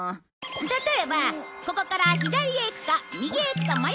例えばここから左へ行くか右へ行くか迷ったとする。